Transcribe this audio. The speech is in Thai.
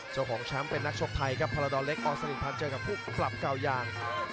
เจ้าของแชมป์เป็นนักชกไทยครับพรดรเล็กอสนิทพันธ์เจอกับผู้กลับเก่ายาง